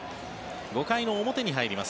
５回の表に入ります。